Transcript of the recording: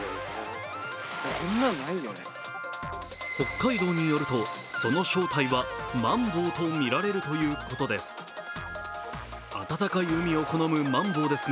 北海道によると、その正体はマンボウとみられるということです。